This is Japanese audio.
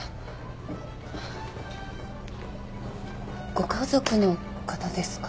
ご家族の方ですか？